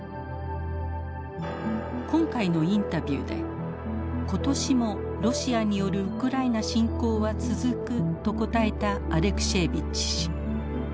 今回のインタビューで今年もロシアによるウクライナ侵攻は続くと答えたアレクシエービッチ氏。